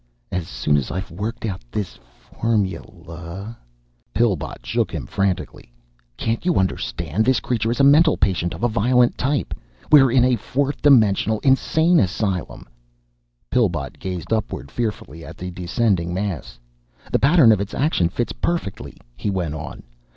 "As soon as I've worked out this formula " Pillbot shook him frantically. "Can't you understand! This Creature is a mental patient of a violent type. We are in a fourth dimensional insane asylum!" Pillbot gazed upward fearfully at a descending mass. "The pattern of its action fits perfectly," he went on.